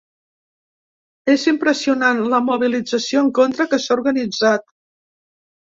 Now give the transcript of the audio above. És impressionant la mobilització en contra que s’ha organitzat.